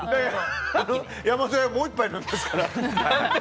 山添がもう１杯飲みますから。